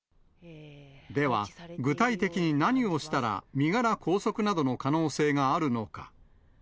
では、具体的に何をしたら、身柄拘束などの可能性があるのか。